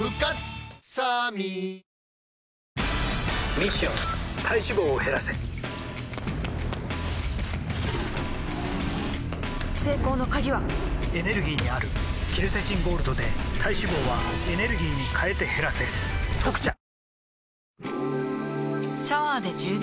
ミッション体脂肪を減らせ成功の鍵はエネルギーにあるケルセチンゴールドで体脂肪はエネルギーに変えて減らせ「特茶」女性